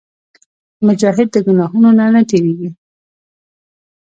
مجاهد د ګناهونو نه تېرېږي.